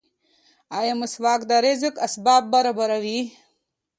ایا مسواک د رزق اسباب برابروي؟